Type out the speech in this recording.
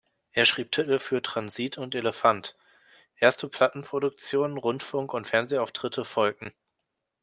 Er schrieb Titel für "Transit" und "Elefant"; erste Plattenproduktionen, Rundfunk- und Fernsehauftritte folgten.